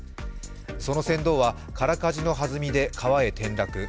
その船頭は空かじのはずみで川へ転落。